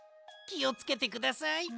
きをつけてください。